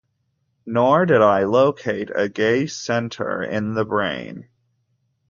Nor did I locate a gay center in the brain.